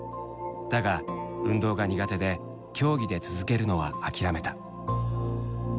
だが運動が苦手で競技で続けるのは諦めた。